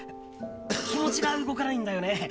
気持ちが動かないんだよね。